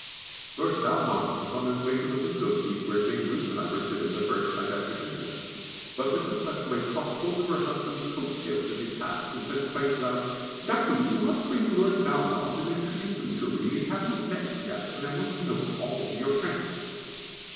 [Sidenote: Two is Company] Lord Valmond was on his way to the window seat where Jane Roose and I were sitting the first night after dinner, but Mrs. Westaway caught hold of her husband's coat tails as he passed and said quite loud, "Duckie, you must bring Lord Valmond and introduce him to me, we haven't met yet, and I want to know all your friends."